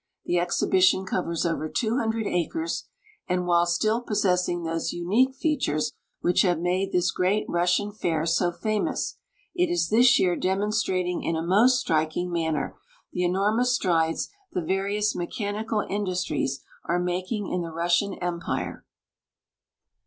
The exhibition covers over 200 acres, and while still possessing those unique features which have made this great Russian fair so famous, it is this year demonstrating in a most striking manner the enormous strides the various mechanical industries are making in the Russian empire.